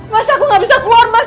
masa aku gak bisa keluar mas